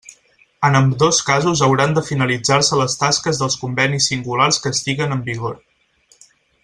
En ambdós casos hauran de finalitzar-se les tasques dels convenis singulars que estiguen en vigor.